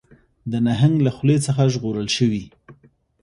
د نهنګ له خولې څخه ژغورل شوي